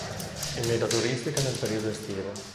È meta turistica nel periodo estivo.